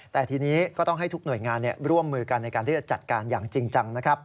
แต่ทีนี้ก็ต้องให้ทุกหน่วยงานร่วมมือกันในการที่จะจัดการอย่างจริงจังนะครับ